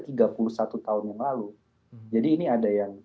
tahun yang lalu jadi ini ada yang